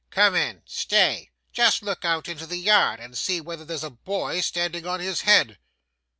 'Come in. Stay. Just look out into the yard, and see whether there's a boy standing on his head.